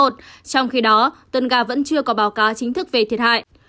trong khi đó tunga vẫn chưa có báo cáo chính thức về thiệt hại